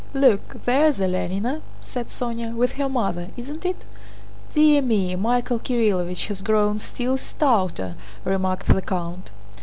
"Look, there's Alénina," said Sónya, "with her mother, isn't it?" "Dear me, Michael Kirílovich has grown still stouter!" remarked the count.